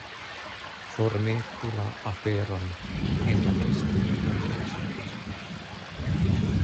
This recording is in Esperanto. Formeti la aferon en la keston de forgeso.